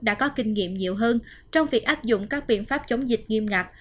đã có kinh nghiệm nhiều hơn trong việc áp dụng các biện pháp chống dịch nghiêm ngặt